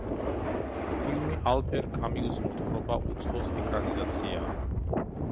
ფილმი ალბერ კამიუს მოთხრობა „უცხოს“ ეკრანიზაციაა.